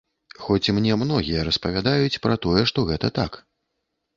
Хоць мне многія распавядаюць пра тое, што гэта так.